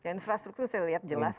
infrastruktur saya lihat jelas